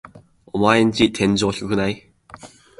オマエんち天井低くない？